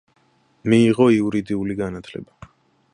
მიიღო იურიდიული განათლება.